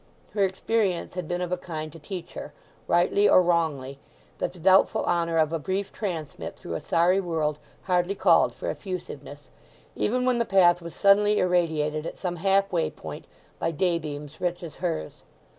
Her experience had been of a kind to teach her, rightly or wrongly, that the doubtful honour of a brief transit through a sorry world hardly called for effusiveness, even when the path was suddenly irradiated at some half way point by daybeams rich as hers.